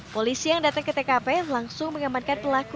polisi yang datang ke tkp langsung mengamankan pelaku